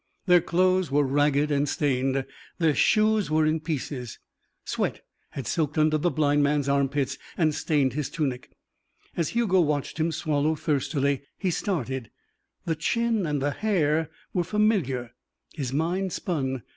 Their clothes were ragged and stained. Their shoes were in pieces. Sweat had soaked under the blind man's armpits and stained his tunic. As Hugo watched him swallow thirstily, he started. The chin and the hair were familiar. His mind spun.